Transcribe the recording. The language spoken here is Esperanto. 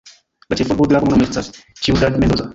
La ĉefurbo de la komunumo estas Ciudad Mendoza.